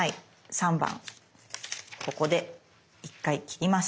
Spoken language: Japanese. ３番ここで１回切ります。